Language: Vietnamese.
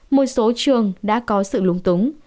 một số trường đã có sự lúng túng